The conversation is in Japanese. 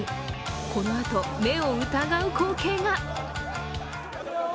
このあと目を疑う光景が！